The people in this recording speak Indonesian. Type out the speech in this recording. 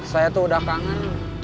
saya tuh udah kangen